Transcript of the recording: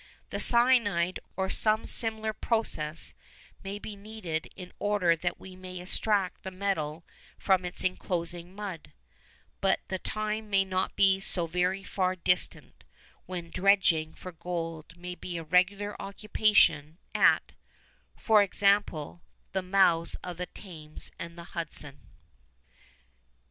The cyanide or some similar process may be needed in order that we may extract the metal from its enclosing mud, but the time may not be so very far distant when dredging for gold may be a regular occupation at, for example, the mouths of the Thames and the Hudson.